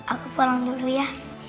aku pulang dulu ya